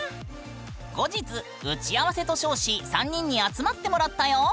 後日打合せと称し３人に集まってもらったよ。